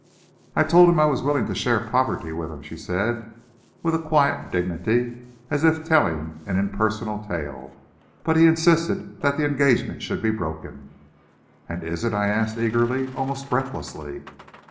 "I told him I was willing to share poverty with him," she said, with a quiet dignity, as if telling an impersonal tale, "but he insisted that the engagement should be broken." "And is it?" I asked eagerly, almost breathlessly.